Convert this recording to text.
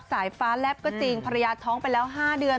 สายฟ้าแลบก็จริงภรรยาท้องไปแล้ว๕เดือน